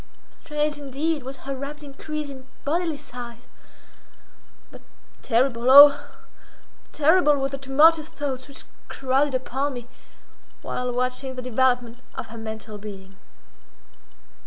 Strange, indeed, was her rapid increase in bodily size—but terrible, oh! terrible were the tumultuous thoughts which crowded upon me while watching the development of her mental being.